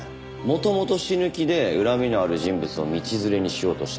元々死ぬ気で恨みのある人物を道連れにしようとした。